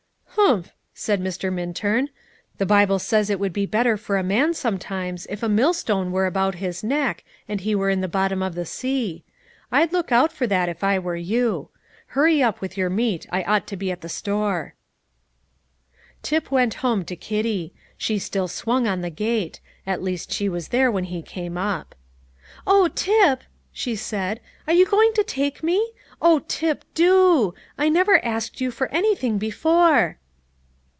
"Humph!" said Mr. Minturn. "The Bible says it would be better for a man, sometimes, if a millstone were about his neck, and he were in the bottom of the sea. I'd look out for that, if I were you. Hurry up with your meat; I ought to be at the store." Tip went home to Kitty. She still swung on the gate; at least she was there when he came up. "Oh, Tip," she said, "are you going to take me? Oh, Tip, do! I never asked you for anything before."